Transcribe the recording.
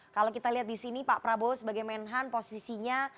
kalau kita lihat disini pak prabowo sebagai menhan posisinya